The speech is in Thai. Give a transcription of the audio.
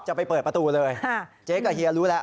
ไปเปิดประตูเลยเจ๊กับเฮียรู้แล้ว